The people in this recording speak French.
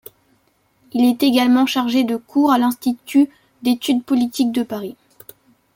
Il est également chargé de cours à l'Institut d'études politiques de Paris.